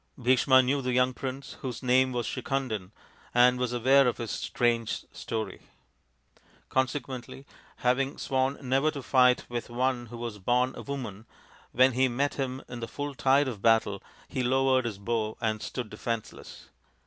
Bhisma knew the young prince, whose name was Sikhandin, and was aware of his strange story ; consequently, having sworn never to fight with " one who was born a woman," when he met him in the full tide of battle, he lowered his bow and stood defenceless.